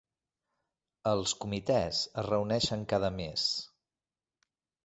Els comitès es reuneixen cada mes.